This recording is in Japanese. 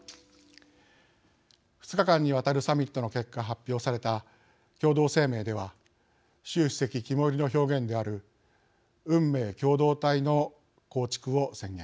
２日間にわたるサミットの結果発表された共同声明では習主席肝いりの表現である運命共同体の構築を宣言。